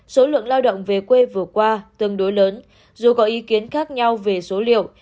số lượng lao động về quê vừa qua tương đối lớn dù có ý kiến khác nhau về số liệu